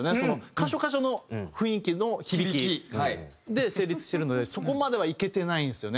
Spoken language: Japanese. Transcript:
箇所箇所の雰囲気の響きで成立してるのでそこまではいけてないんですよね。